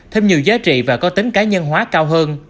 thêm nhiều giá trị và có tính cá nhân hóa cao hơn